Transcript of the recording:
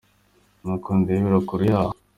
Nuko ndebera kure yaho